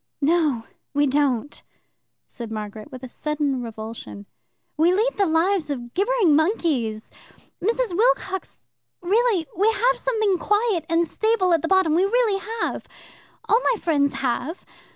"No, we don't," said Margaret, with a sudden revulsion. "We lead the lives of gibbering monkeys. Mrs. Wilcox really We have something quiet and stable at the bottom. We really have. All my friends have.